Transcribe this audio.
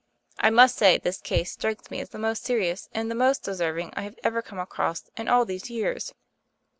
I must say this case strikes me as the most serious and the most deserving I have ever come across in all these years."